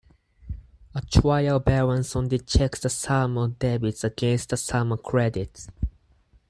A trial balance only checks the sum of debits against the sum of credits.